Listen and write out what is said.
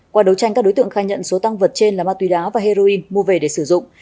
qua đấu tranh các đối tượng khai nhận số tăng vật trên là ma túy đá và heroin mua về để sử dụng